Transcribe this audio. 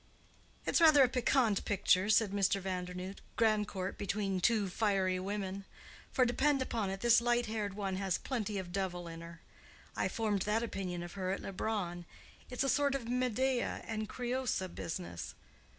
"It's rather a piquant picture," said Mr. Vandernoodt—"Grandcourt between two fiery women. For depend upon it this light haired one has plenty of devil in her. I formed that opinion of her at Leubronn. It's a sort of Medea and Creüsa business.